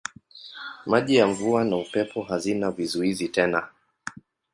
Maji ya mvua na upepo hazina vizuizi tena.